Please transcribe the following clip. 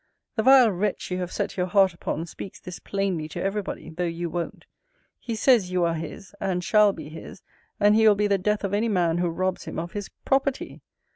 The vile wretch you have set your heart upon speaks this plainly to every body, though you won't. He says you are his, and shall be his, and he will be the death of any man who robs him of his PROPERTY.